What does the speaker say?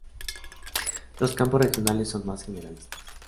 Los campus regionales son más generalistas.